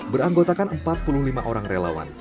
beranggotakan empat puluh lima orang relawan